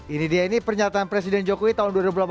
ini dia ini pernyataan presiden jokowi tahun dua ribu delapan belas